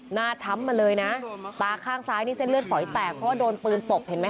หน้าช้ำมาเลยนะ